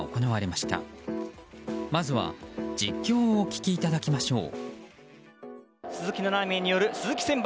まずは、実況をお聞きいただきましょう。